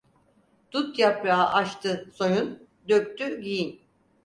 Dut yaprağı açtı, soyun; döktü giyin.